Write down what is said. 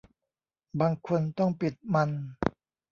บางคนต้องปิดมัน